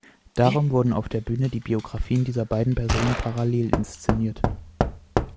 Darum wurden auf der Bühne die Biografien dieser beiden Personen parallel inszeniert.